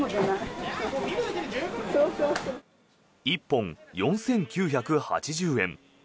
１本４９８０円。